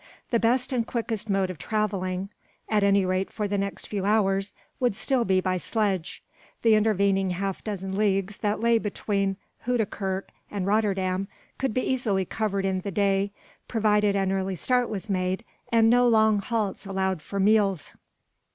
The best and quickest mode of travelling at any rate for the next few hours would still be by sledge, the intervening half dozen leagues that lay between Houdekerk and Rotterdam could be easily covered in the day provided an early start was made and no long halts allowed for meals.